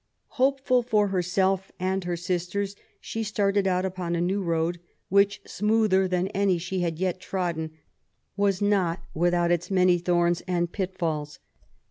... Hopeful for herself and her sisters^ she started out upon a new road^ which, smoother than any she had yet trodden^ was not without its many thorns and pit falls.